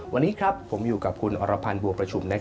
วันนี้ครับผมอยู่กับคุณอรพันธ์บัวประชุม